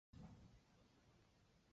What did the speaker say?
新索尔是秘鲁目前使用的货币。